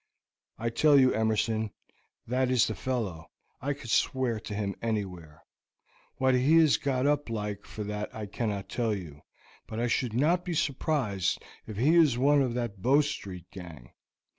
"I tell you, Emerson, that is the fellow. I could swear to him anywhere. What he is got up like that for I cannot tell you, but I should not be surprised if he is one of that Bow Street gang.